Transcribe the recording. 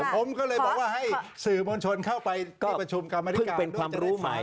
ผมก็เลยบอกว่าให้สื่อโมงชนเข้าไปมีประชุมกรรมนิการ